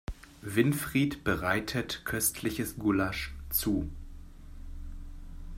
Winfried bereitet köstliches Gulasch zu.